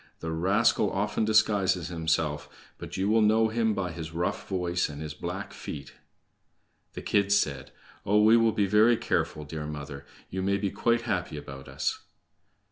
The rascal often disguises himself, but you will know him by his rough voice and his black feet." The kids said: "Oh, we will be very careful, dear mother. You may be quite happy about us."